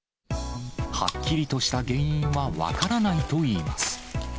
はっきりとした原因は分からないといいます。